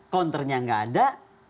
counternya gak ada